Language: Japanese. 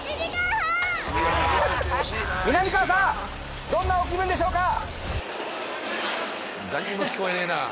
みなみかわさんどんなお気分でしょうか？